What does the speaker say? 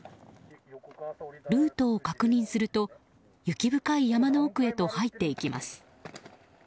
ルートを確認すると雪深い山の奥へと入っていきます。